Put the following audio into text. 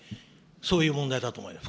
そういう問題だと思います。